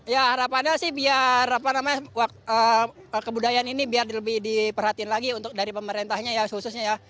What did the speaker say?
ya harapannya sih biar kebudayaan ini biar lebih diperhatiin lagi untuk dari pemerintahnya ya khususnya ya